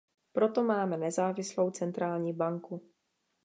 Proto máme nezávislou Centrální banku.